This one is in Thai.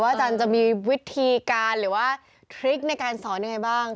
อาจารย์จะมีวิธีการหรือว่าทริคในการสอนยังไงบ้าง